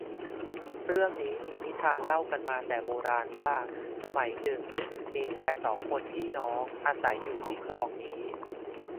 เรื่องนี้มีนิทานเล่ากันมาแต่โบราณว่า สมัยหนึ่งมีชายสองคนพี่น้องอาศัยอยู่ที่คลองนี้